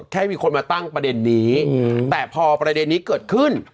แค่มีคนมาตั้งประเด็นนี้แต่พอประเด็นนี้เกิดขึ้น